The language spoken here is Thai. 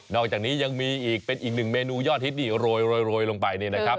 อกจากนี้ยังมีอีกเป็นอีกหนึ่งเมนูยอดฮิตนี่โรยลงไปเนี่ยนะครับ